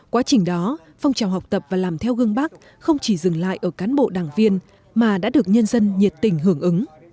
quá trình đó phong trào học tập và làm theo gương bác không chỉ dừng lại ở cán bộ đảng viên mà đã được nhân dân nhiệt tình hưởng ứng